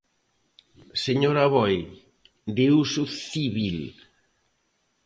Señor Aboi, de uso civil.